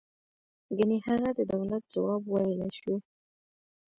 گني هغه د دولت ځواب ویلای شوی.